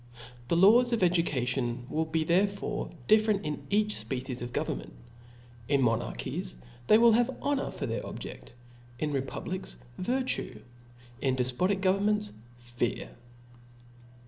The laws of education will be there fore different in each fpecics of government; in mo narchies, they will have honor for their objeft ; in republics, virtue ; in defpotic governments, fear.